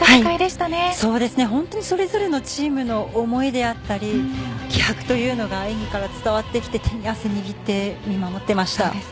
本当にそれぞれのチームの思いであったり気迫というのが演技から伝わってきて手に汗握って見守っていました。